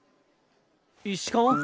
石川？